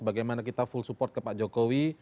bagaimana kita full support ke pak jokowi